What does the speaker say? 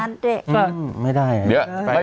ก็อันหน้านดรไม่ได้